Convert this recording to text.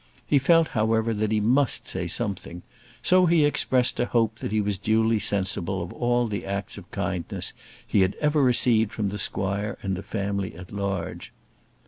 He felt, however, that he must say something; so he expressed a hope that he was duly sensible of all the acts of kindness he had ever received from the squire and the family at large.